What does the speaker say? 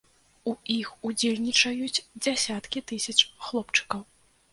У іх удзельнічаюць дзясяткі тысяч хлопчыкаў.